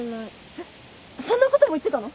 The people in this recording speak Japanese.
えっそんなことも言ってたの？